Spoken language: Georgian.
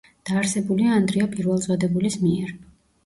დაარსებულია ანდრია პირველწოდებულის მიერ.